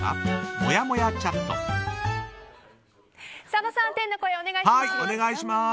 佐野さん、天の声お願いします。